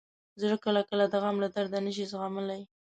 زړه کله کله د غم له درده نه شي زغملی.